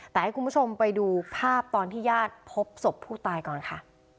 แต่ให้คุณผู้ชมไปดูภาพตอนที่ญาติพบศพผู้ตายก่อนค่ะ